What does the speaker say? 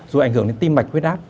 rồi ảnh hưởng đến tim mạch huyết áp